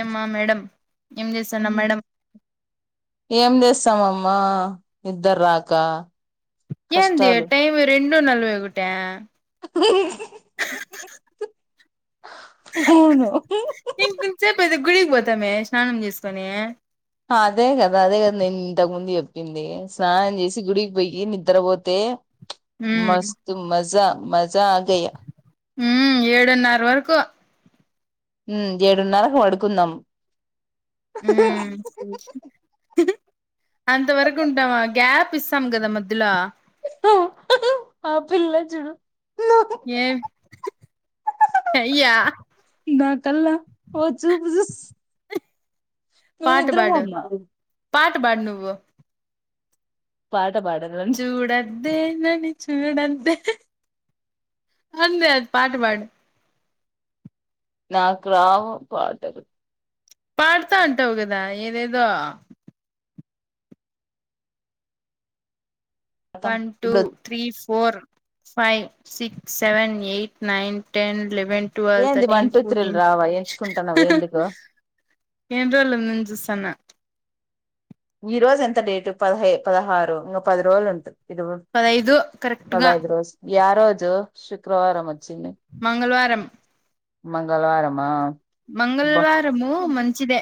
ఏమ్మా మేడం ఏం చేసానావ్ మేడం సమమ్మా నీద్దర్ రాకా ఏంది టైం రెండు నలభై ఒకట [unintelligible] అవును ఇంకొంచేపు అయితే గుడికి పోతామే స్నానం చేసుకొనే అదే కదా అదే కదా నేన్ ఇంతకు ముందు చెప్పింది స్నానం చేసి గుడికి పోయి నిద్రపోతే ఉమ్ మస్తు మజా మజా ఆగయా మ్ ఏడున్నర వరకు మ్ ఏడున్నరకు పాడుకుందాం మ్ అంత వరకు ఉంటామా గ్యాప్ పిస్తాం కదా మధ్యలో పో ఆ పిల్ల చుడు ఏ అయ్యా నా కల్లా ఓ చూపు చూస్ నువు నిద్రబోమ్మా పాటబాడు నువు పాట పాడాలం ద్దే నని చూడొద్దె అందే అది పాట పాడు నాక్ రావు పాటలు పాడతాంటావు కదా ఏదేదో కతం వన్ టూ ఇప్పుడు త్రీ ఫ్ four five six seven eight nine ten eleven twelve ఏంది వన్ థర్టీన్ టూ త్రీలు ఫోర్టీన్ రావా ఎంచుకుంటున్నావు ఎందుకు ఏండ్రోల్ ఉంది అని చూసన్న ఈ రోజు ఎంత డేటు పదహై పదహారు ఇంగా పది రోజులు ఉంట ఇది పదైదు కరెక్ట్ గా పదైదు రోజులు య రోజు శుక్రవారం వచ్ మంగళ్ వారం మంగళవారమా మంగళ్ అబ్బా వారము మంచిదే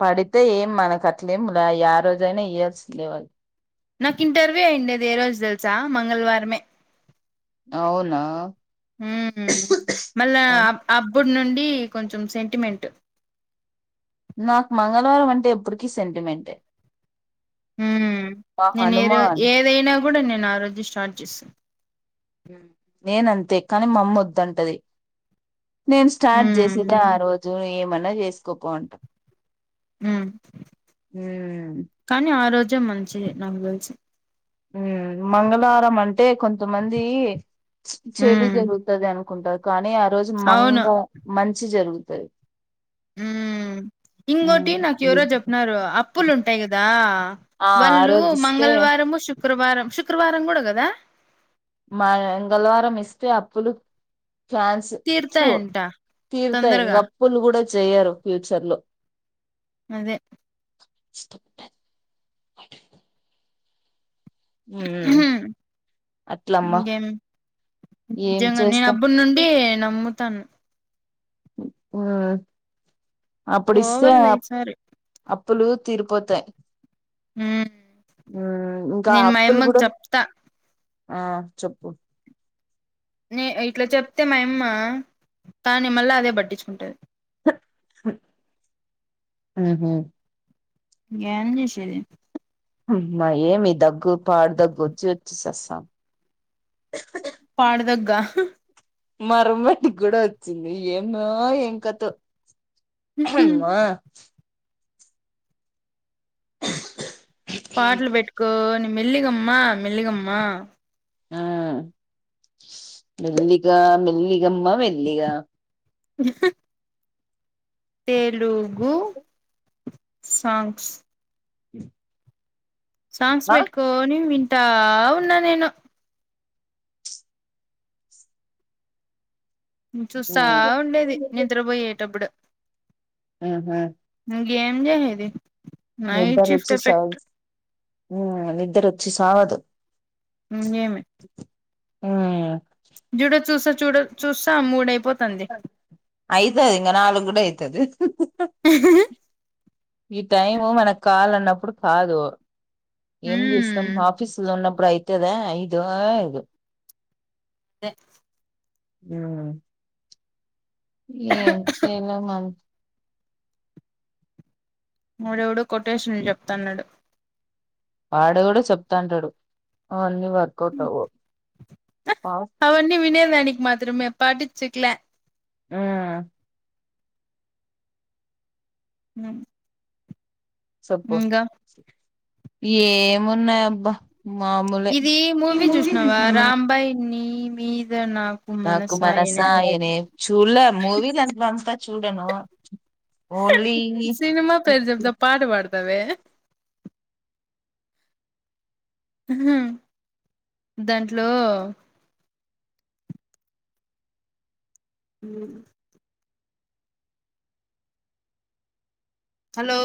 పడితే ఏం మనకు అట్లేములా ఆ రోజైనా ఇయల్సిందే ల నాకు ఇంటర్వ్యూ అయిండేది ఏ రోజు తెలుసా మంగళ్వారమే అవునా మళ్ల అ అబ్బు నుండి కొంచెం సెంటిమెంటు నాకు మంగళవారం అంటే ఎప్పుటికీ సెంటిమెంటే ఉమ్ మా నేను ఏ రో హనుమాన్ ఏదైనా కూడా నేను ఆ రోజే స్టార్ట్ చేస్తా నేనంతే కాని మామ్మ వద్దంటది నేను స్టార్ట్ ఉమ్ చేసెదె ఆ రోజు ఏమన్నా చేసుకోపోంటా ఉమ్ ఉమ్ కానీ ఆ రోజే మంచిది నాకు తెలిసి ఉమ్ మంగళారం అంటే కొంతమంది చెడు ఉమ్ జరుగుతది అను కుంటరు కానీ ఆ రోజు అవును మంగ మంచి జరుగుతది ఉమ్ ఉమ్ ఇంగొటి నాకు ఎవరో చెప్నారు అప్పులు ఉంటాయి గదా ఆ ఆ వాళ్లు రోజు ఇస్తే మంగళవారము శుక్రవారం శుక్రవారం కూడా గదా మాంగళవారం ఇస్తే అప్పులు ఛాన్స్ తు తీరుతాయంట తీర్థయి తొందరగా అప్పులు గూడ చేయరు ఫ్యూచర్ లో అదే బ్లాంక్ హ్మ్ అట్లమ్మ నిజంగ నేను అబ్బుడి నుండి నమ్ముతాను మ్ అప్పుడిస్తే పోవాల అప్ ఈసారి ప్పులు తీరిపోతాయి ఉమ్ హ్మ్ ఇంకా నేను మా అప్పులు యమ్మకి కూడ చెప్తా ఆ చెప్పు నే ఇట్లా చెప్తే మయమ్మ కానీ మళ్ళీ అదే పట్టించుకుంటది ఉహు ఏం చేసేది హా మ్మ ఏమి దగ్గు పాడుదగ్గు వచ్చి వచ్చి సస్తాంధీ పాడు దగ్గా మారూమ్మేటికి కూడా వచ్చింది ఎన్నో ఏం ఎంకతో అమ్మ పాటలు పెట్టుకోని మెల్లిగమ్మా మెల్లిగమ్మా ఆ మెల్లిగా మెల్లిగమ్మా మెల్లిగా తెలుగు సాంగ్స్ సాంగ్స్ ఆ వెట్టుకోని వింటా వున్న నేను ఉం చూస్తా వుండేది నిద్రబొయేటప్పుడు అ హా ఇగెం చేసేది నైట్ షిఫ్ట్ నిద్దరొచ్చెస ఎఫెక్ట్ ఆ నిద్దరొచ్చి సావదు ఇంగేమీ ఇమే జూడ చూసా చూడ చుస్సా మూడైపోతాంది ఐతది ఇంగ నలుగుడైతది ఈ టైం మనక్కాలన్నప్పుడు కాదు ఏం జేస్తాం మ్మ్ ఆఫీస్లోన్నప్ప ప్పుడు ఐతదా ఐదో ఐదు ఉం ఎన్ చేల మన్ వాడు ఎవడో కొటేషన్ల్ జెప్తాన్నాడు ఆడేవడో చెప్తాంటాడు అవన్నీ వర్కౌట్ అవ్వవు పాస్ అవున్నీ వినేదానికి మాత్రమే పాటించేకిలా ఆ ఉం ఏమున్నాయ్ అబ్బా మామూలే ఇది మూవీ జుష్నవా రాంబై నీ మీద్ నాకు మనసాయనే చుల్లే మూవీ [unintelligible] చూడను ఓన్లీ సినిమా పేరు చెప్తా పాట పాడతావే దంట్లో ఉం హలో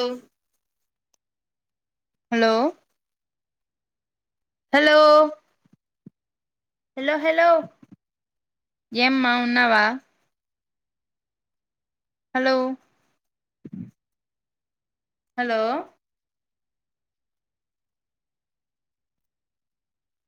హలో హలో ఏమ్మా ఉన్నావా హలో హలో